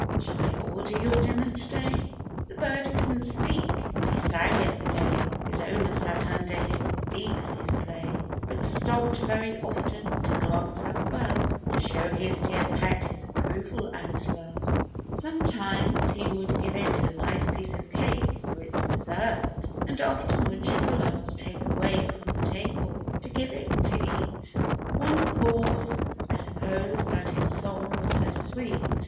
Shall I order your dinner to day ?" The bird couldn't speak, hut he sang every day ; His owner sat under him deep in his play, But stopped very often to glance up above, To show his dear pet his approval and love. 82 GEORGE AND HIS CANARY. Sometimes he would give it a nice piece of cake For its dessert, and often would sugar lumps take Away from the table, to give it to eat; One cause, I suppose, that its song was so sweet.